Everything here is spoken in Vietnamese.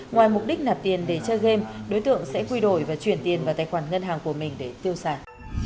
ngoài mục đích nạp tiền để chơi game đối tượng sẽ quy đổi và chuyển tiền vào tài khoản ngân hàng của mình để tiêu sản